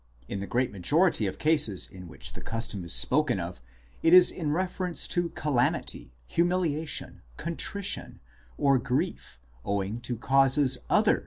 In the great majority of cases in which the custom is spoken of it is in reference to calamity, humiliation, contrition, or grief owing to causes other than 1 Op.